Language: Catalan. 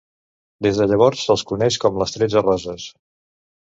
Des de llavors, se'ls coneix com les Tretze Roses.